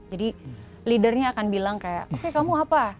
jadi leadernya akan bilang kayak oke kamu apa